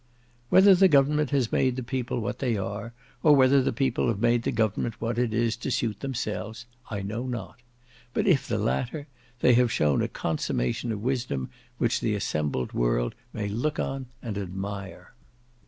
Whether the government has made the people what they are, or whether the people have made the government what it is, to suit themselves, I know not; but if the latter, they have shown a consummation of wisdom which the assembled world may look upon and admire.